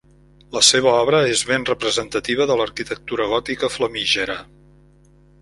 La seva obra és ben representativa de l'arquitectura gòtica flamígera.